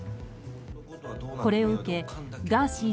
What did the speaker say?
これを受け、ガーシー